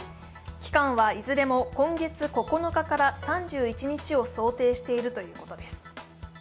期間はいずれも今月９日から３１日を想定しているということです。